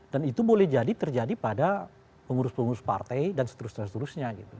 dan itu boleh jadi terjadi pada pengurus pengurus partai dan seterusnya